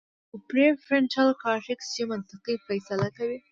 يوه پري فرنټل کارټيکس چې منطقي فېصلې کوي